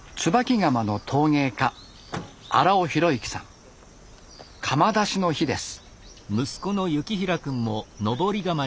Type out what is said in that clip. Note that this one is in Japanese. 窯出しの日です。